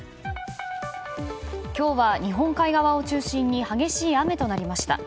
今日は日本海側を中心に激しい雨となりました。